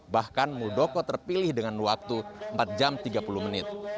bahkan muldoko terpilih dengan waktu empat jam tiga puluh menit